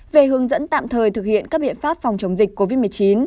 về hướng dẫn tạm thời thực hiện các biện pháp phòng chống dịch covid một mươi chín